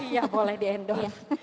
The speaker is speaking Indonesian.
iya boleh di endorse